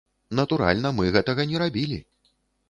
Натуральна мы гэтага не рабілі.